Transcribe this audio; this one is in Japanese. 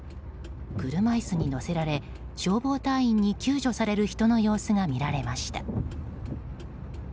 車椅子に乗せられ消防隊員に救助される人の様子も見られました。